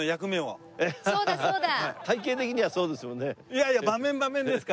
いやいや場面場面ですから。